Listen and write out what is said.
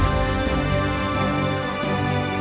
saya ingin berterima kasih kepada bapak